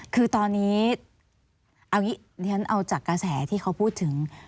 คือตอนนี้เอาอย่างนี้ฉันเอาจากกระแสที่เขาพูดถึง